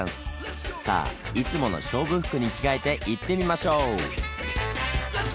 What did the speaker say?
さあいつもの勝負服に着替えていってみましょう！